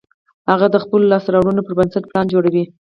هغه د خپلو لاسته رواړنو پر بنسټ پلان جوړ کړ